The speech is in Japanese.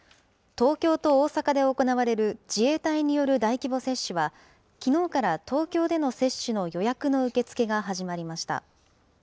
東京と大阪で行われる自衛隊による大規模接種は、きのうから東京での接種の予約の受け付けが始まりました。